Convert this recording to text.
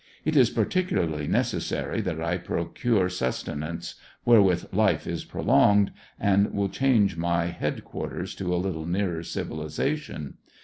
It is particularly necessary that I procure suste nance wherewith life is prolonged, and will change my head quar ters to a little nearer civilization.